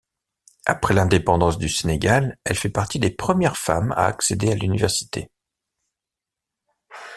Après l'indépendance du Sénégal, elle fait partie des premières femmes à accéder à l'université.